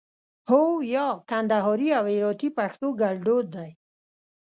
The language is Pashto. هو 👍 یا 👎 کندهاري او هراتي پښتو کړدود دی